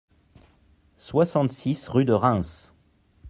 soixante-six rue de Reims